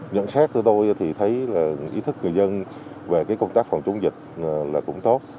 nhận xét của tôi thì thấy là ý thức người dân về công tác phòng chống dịch là cũng tốt